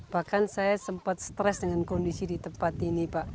bahkan saya sempat stres dengan kondisi di tempat ini pak